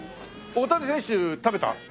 大谷選手食べた？